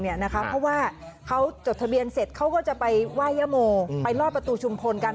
เพราะว่าเขาจดทะเบียนเสร็จเขาก็จะไปไหว้ยะโมไปลอดประตูชุมพลกัน